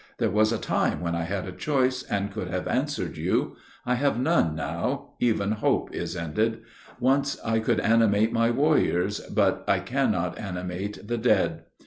There was a time when I had a choice, and could have answered you: I have none now, even hope is ended. Once I could animate my warriors; but I can not animate the dead.